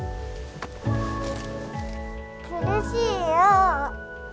苦しいよう。